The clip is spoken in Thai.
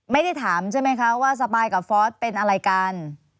ไม่ได้ถามใช่ไหมคะว่าสปายกับฟอสเป็นอะไรกัน